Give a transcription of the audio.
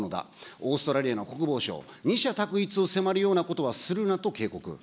オーストラリアの国防相、二者択一を迫るようなことはするなと警告。